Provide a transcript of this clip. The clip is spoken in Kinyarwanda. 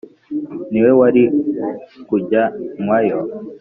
niwe wari kujyanwayo.